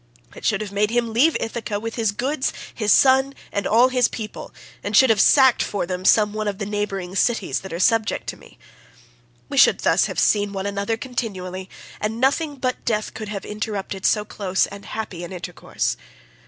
I should have made him leave Ithaca with his goods, his son, and all his people, and should have sacked for them some one of the neighbouring cities that are subject to me. We should thus have seen one another continually, and nothing but death could have interrupted so close and happy an intercourse.